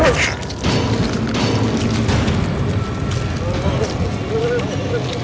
โอเคนั่นเดี๋ยวผมลาก่อนมันก็ดูสุดใสวิ่งปัง